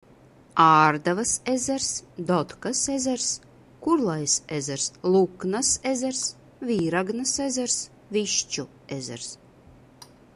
Ārdavas ezers, Dodkas ezers, Kurlais ezers, Luknas ezers, Vīragnas ezers, Višķu ezers.